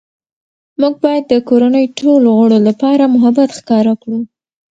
موږ باید د کورنۍ ټولو غړو لپاره محبت ښکاره کړو